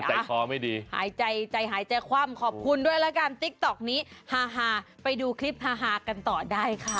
อ้าวหายใจหายใจความขอบคุณด้วยแล้วกันติ๊กต๊อกนี้ฮ่าไปดูคลิปฮ่ากันต่อได้ค่ะ